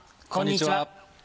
こんにちは。